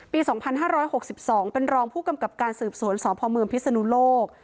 ปี๒๕๖๒เป็นรองผู้กำกับการสืบสวนสพเมืองพิศนุโลก